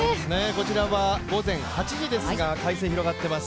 こちらは午前８時ですが快晴が広がっています。